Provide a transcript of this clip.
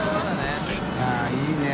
いいいね。